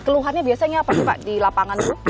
keluhannya biasanya apa sih pak di lapangan